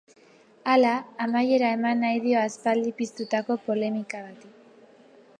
Hala, amaiera eman nahi dio aspaldi piztutako polemika bati.